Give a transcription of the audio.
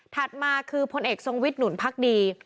มาคือพลเอกทรงวิทย์หนุนพักดี